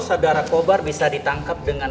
saudara kobar bisa ditangkap dengan